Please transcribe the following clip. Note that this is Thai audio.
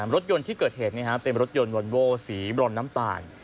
รถยนต์ที่เกิดเหตุเป็นรถยนต์วอนโว้สีบรอนน้ำตาล